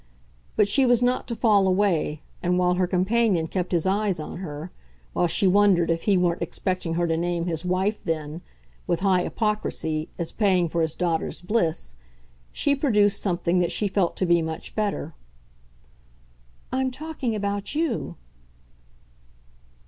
But she was not to fall away, and while her companion kept his eyes on her, while she wondered if he weren't expecting her to name his wife then, with high hypocrisy, as paying for his daughter's bliss, she produced something that she felt to be much better. "I'm talking about YOU."